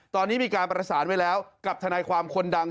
ตอนนี้มีการประสานไว้แล้วกับทนายความคนดัง